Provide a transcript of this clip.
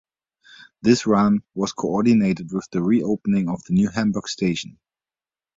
This run was coordinated with the re-opening of the New Hamburg station.